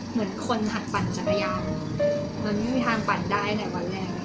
เหมือนคนหัดปั่นจักรยานมันไม่มีทางปั่นได้ในวันแรก